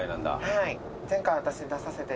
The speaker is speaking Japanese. はい。